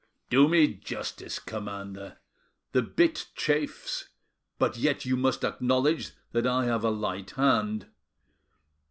"Do me justice, commander. The bit chafes, but yet you must acknowledge that I have a light hand.